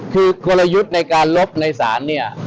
คือกลยุทธ์ในการลบในศาลเนี่ย